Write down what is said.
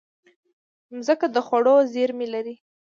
مځکه د خوړو زېرمې لري.